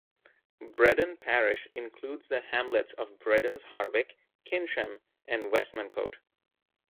Bredon parish includes the hamlets of Bredon's Hardwick, Kinsham and Westmancote.